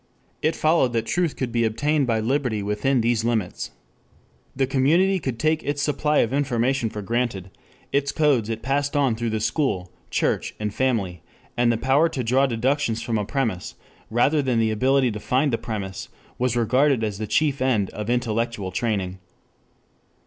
It followed that truth could be obtained by liberty within these limits. The community could take its supply of information for granted; its codes it passed on through school, church, and family, and the power to draw deductions from a premise, rather than the ability to find the premise, was regarded as the chief end of intellectual training.